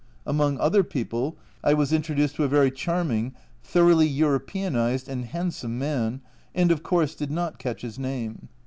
Among other people I was introduced to a very charming, thoroughly Europeanised, and handsome man and of course did not catch his name.